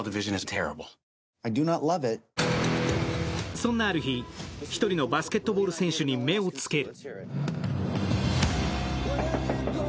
そんなある日、１人のバスケットボール選手に目をつける。